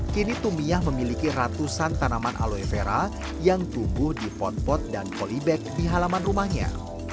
kini tumiah memiliki ratusan tanaman aloevera yang tumbuh di ponpot dan kolybag di halaman rumahnya